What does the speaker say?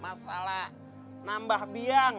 masalah nambah biang